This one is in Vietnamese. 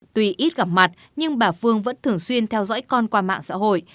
tuy ít gặp mặt nhưng bà phương vẫn thường xuyên theo dõi con qua mạng xã hội